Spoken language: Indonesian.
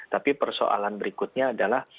tapi persoalan berikutnya adalah